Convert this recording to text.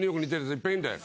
いっぱいいるんだよ！